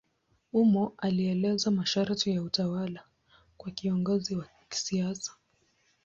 Humo alieleza masharti ya utawala kwa kiongozi wa kisiasa.